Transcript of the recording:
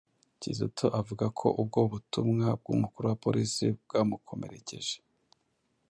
Kizito avuga ko ubwo butumwa bw'umukuru wa polisi bwamukomerekeje